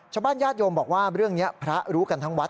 ญาติโยมบอกว่าเรื่องนี้พระรู้กันทั้งวัด